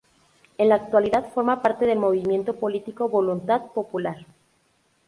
En la actualidad, forma parte del movimiento político Voluntad Popular.